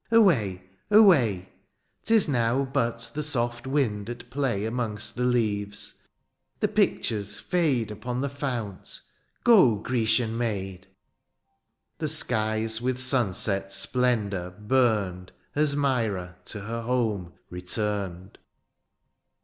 Away ! away !*^ ^s now but the soft wind at play " Amongst the leaves — ^the pictures fade " Upon the fount. Go, Grecian maid V' The skies with sunset splendour burned As Myra to her home returned.